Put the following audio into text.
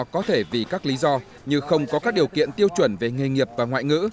có thể vì các lý do như không có các điều kiện tiêu chuẩn về nghề nghiệp và ngoại ngữ